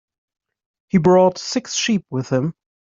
He brought six sheep with him.